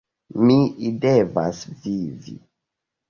Mi devas vivi!